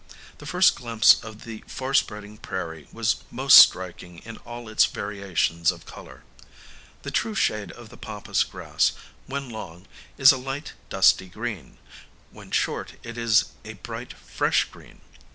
The first glimpse of the far spreading prairie was most striking in all its variations of colour. The true shade of the Pampas grass, when long, is a light dusty green; when short it is a bright fresh green.